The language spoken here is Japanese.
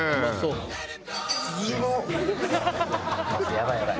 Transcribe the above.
やばいやばい。